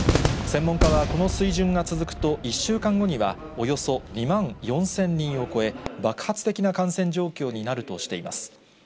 専門家はこの水準が続くと１週間後には、およそ２万４０００人を超え、爆発的な感染状況になるとしています。